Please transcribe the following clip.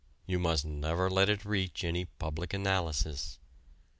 You must never let it reach any public analysis.